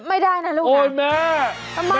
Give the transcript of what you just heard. ไม่ได้นะลูกค้าทำไมลูกค้าทำไมโอ้ยแม่